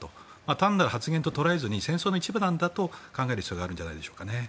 単なる発言と捉えずに戦争の一部なんだと考える必要があるんじゃないでしょうか。